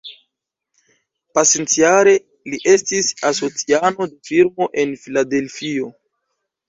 Pasintjare, li estis asociano de firmo en Filadelfio.